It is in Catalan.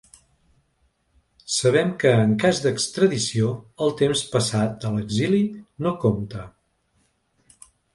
Sabem que en cas d’extradició, el temps passat a l’exili no compta.